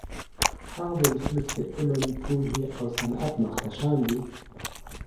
هغه ولسونه چې د علم، پوهې او صنعت مخکښان دي